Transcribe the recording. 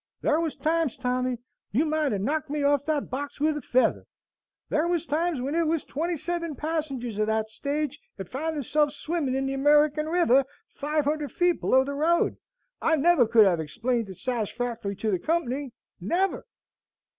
Thar was times, Tommy, you might have knocked me off that box with a feather; thar was times when if the twenty seven passengers o' that stage hed found theirselves swimming in the American River five hundred feet below the road, I never could have explained it satisfactorily to the company, never.